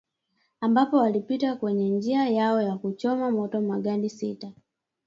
ambapo walipita kwenye njia yao na kuchoma moto magari sita